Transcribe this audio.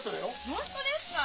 本当ですか？